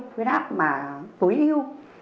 huyết áp mà tối yêu